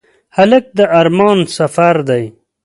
هلک د ارمان سفر دی.